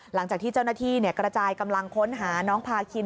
หลังจากที่เจ้าหน้าที่กระจายกำลังค้นหาน้องพาคิน